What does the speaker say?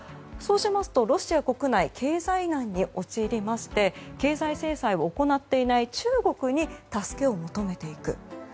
そうしますとロシア国内経済難に陥りまして経済制裁を行っていない中国に助けを求めていく。